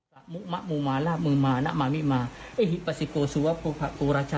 ล้างกันจะได้เป็นทองเดี๋ยวดูเสร็จ